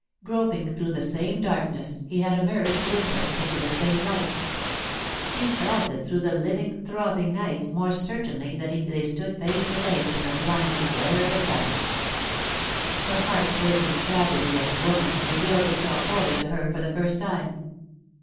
Groping through the same darkness, he had emerged, with her, into the same light; she felt it through the living, throbbing night more certainly than if they stood face to face in the blinding glare of the sun. The heart breaking tragedy of Woman revealed itself wholly to her for the first time.